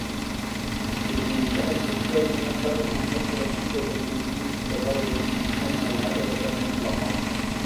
لكي ينشأ الإحساس ينبغي أن تصل شدة المثير إلي درجة تسمي العتبة المطلقة